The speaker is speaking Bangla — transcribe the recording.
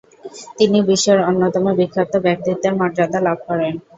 তিনি বিশ্বের অন্যতম বিখ্যাত ব্যক্তিত্বের মর্যাদা লাভ করেন।